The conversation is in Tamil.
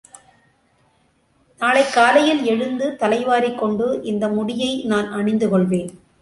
நாளைக் காலையில் எழுந்து தலைவாரிக் கொண்டு இந்த முடியை நான் அணிந்து கொள்வேன்.